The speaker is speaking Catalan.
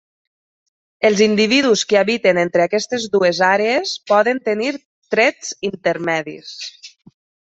Els individus que habiten entre aquestes dues àrees poden tenir trets intermedis.